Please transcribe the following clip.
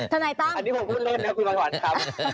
อันนี้ผมพูดเล่นนะคุณพันธวันครับ